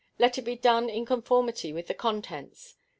Let it be done in conformity with the contents.